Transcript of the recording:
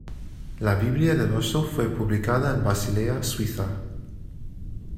La Biblia del Oso fue publicada en Basilea, Suiza.